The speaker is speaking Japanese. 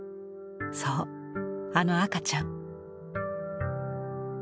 そうあの赤ちゃん。